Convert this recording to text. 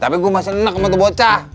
tapi gua masih enak mau terbocah